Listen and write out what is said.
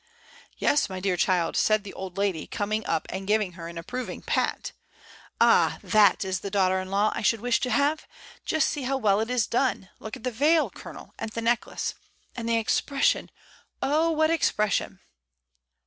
"Yes, my dear child," said the old lady, com ing up and giving her an approving pat. "Ah! that is the daughter in law I should wish to have. Just see how well it is done; look at the veil. Colonel, and the necklace. And the expression! Oh, what expression!"